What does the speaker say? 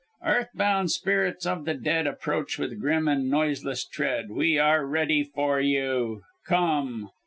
Earthbound spirits of the Dead Approach with grim and noiseless tread We are ready for you Come!"